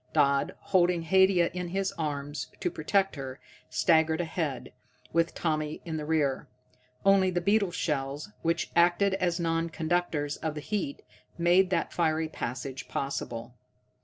Dodd, holding Haidia in his arms, to protect her, staggered ahead, with Tommy in the rear. Only the beetle shells, which acted as non conductors of the heat, made that fiery passage possible.